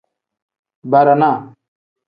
Barana.